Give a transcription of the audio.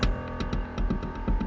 aku juga keliatan jalan sama si neng manis